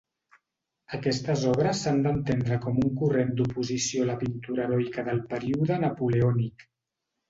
Aquestes obres s'han d'entendre com un corrent d'oposició a la pintura heroica del període napoleònic.